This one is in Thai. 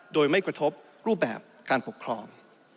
โดยไม่กระทบรูปแบบการปกครอง